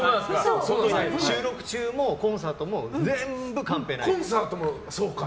収録中もコンサートも全部、カンペないんです。